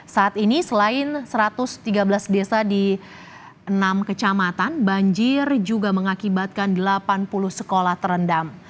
saat ini selain satu ratus tiga belas desa di enam kecamatan banjir juga mengakibatkan delapan puluh sekolah terendam